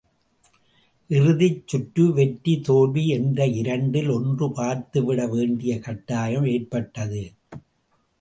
இறுதிச்சுற்று வெற்றி தோல்வி என்ற இரண்டில் ஒன்று பார்த்து விட வேண்டிய கட்டாயம் ஏற்பட்டது.